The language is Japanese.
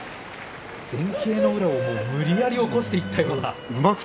前傾の宇良を無理やり起こしてきたような。